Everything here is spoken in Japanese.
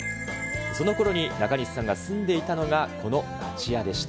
その頃に中西さんが住んでいたのがこの町屋でした。